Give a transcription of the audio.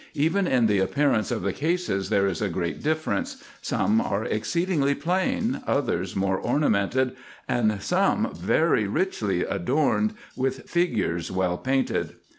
Even in the ap pearance of the cases there is a great difference : some are exceedingly plain, others more ornamented, and some very richly adorned with figures, well painted.